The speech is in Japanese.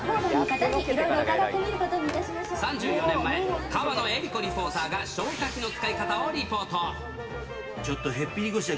３４年前、河野恵理子リポーターが消火器の使い方をリポート。